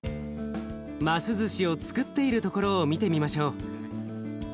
ますずしをつくっているところを見てみましょう。